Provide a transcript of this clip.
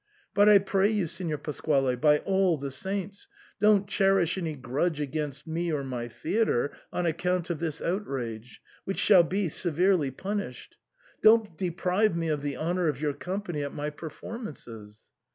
But I pray you, Signor Pasquale, by all the saints, don't cherish any grudge against me or my theatre on account of this outrage, which shall be severely punished. Don't deprive me of the honour of your company at my performances